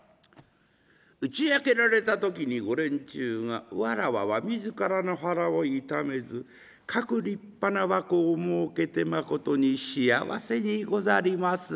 打ち明けられた時に御廉中が「わらわは自らの腹を痛めずかく立派な若子をもうけて誠に幸せにござりまする」。